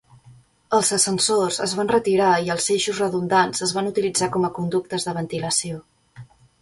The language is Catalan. Els ascensors es van retirar i els eixos redundants es van utilitzar com a conductes de ventilació.